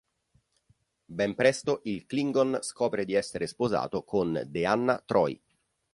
Ben presto il Klingon scopre di essere sposato con Deanna Troi.